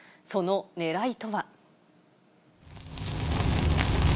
そのねらいとは。